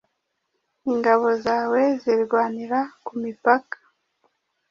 Ingabo zawe zirwanira ku mipaka